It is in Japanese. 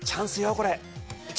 これ。